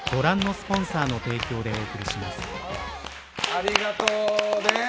ありがとうねー。